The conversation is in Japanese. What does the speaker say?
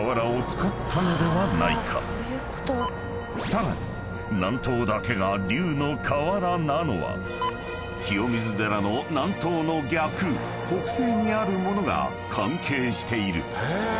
［さらに南東だけが龍の瓦なのは清水寺の南東の逆北西にあるものが関係している］